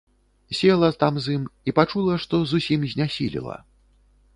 Села там з ім і пачула, што зусім знясілела.